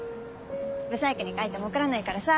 不細工に描いても怒らないからさ。